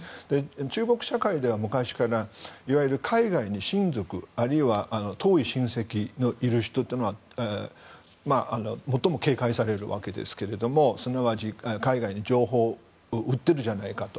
中国社会では昔からいわゆる海外に親族あるいは遠い親戚がいる人は最も警戒されるわけですけどすなわち海外に情報を売ってるんじゃないかと。